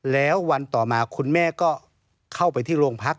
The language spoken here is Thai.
แล้ววันต่อมาคุณแม่ก็เข้าไปที่โรงพัก